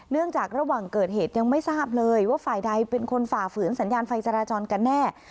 เนื่องจากระหว่างเกิดเหตุยังไม่ทราบเลยว่าฝ่ายใดเป็นคนฝ่าฝืนสัญญาณไฟจราจรกันแน่